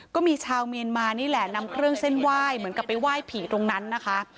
ก็มีชาวเมียนมานี่แหละนำเครื่องเส้นไหว้เหมือนกับไปไหว้ผีตรงนั้นนะคะ